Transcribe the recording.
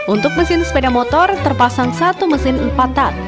untuk mesin sepeda motor terpasang satu mesin empat tat